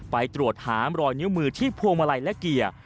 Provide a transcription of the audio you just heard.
ไปตรวจหารอยนิ้วมือที่พวงมาลัยและเกียร์